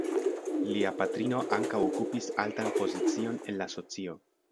Lia patrino ankaŭ okupis altan pozicion en la socio.